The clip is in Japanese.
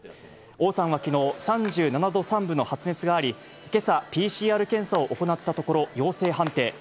王さんはきのう、３７度３分の発熱があり、けさ、ＰＣＲ検査を行ったところ、陽性判定。